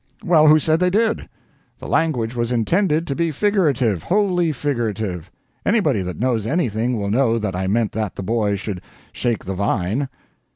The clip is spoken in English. Well, who said they did? The language was intended to be figurative, wholly figurative. Anybody that knows anything will know that I meant that the boy should shake the vine."